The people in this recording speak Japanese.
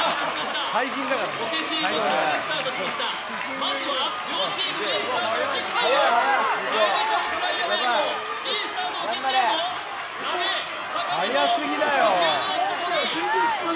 まずは両チーム、いいスタートを切っている。